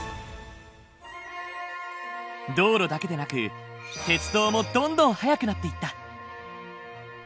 道路だけでなく鉄道もどんどん速くなっていった。